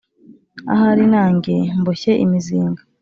Ahari nange mboshye imizinga